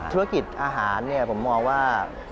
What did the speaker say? ธุรกิจอาหารผมมองว่า